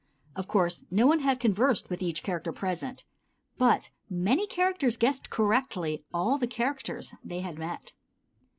Of course, no one had conversed with each character present, but many players guessed correctly all the characters they had met.